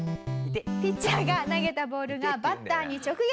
ピッチャーが投げたボールがバッターに直撃。